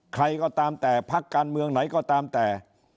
ใครก็ตามแต่พักการเมืองไหนก็ตามแต่